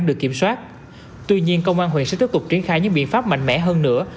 được kiểm soát tuy nhiên công an huyện sẽ tiếp tục triển khai những biện pháp mạnh mẽ hơn nữa